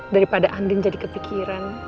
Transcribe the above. daripada andien jadi kepikiran